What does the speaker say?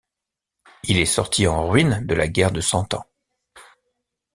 Il est sorti en ruine de la guerre de Cent Ans.